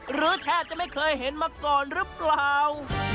แทบจะไม่เคยเห็นมาก่อนหรือเปล่า